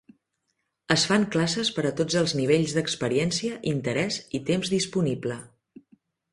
Es fan classes per a tots els nivells d'experiència, interès i temps disponible.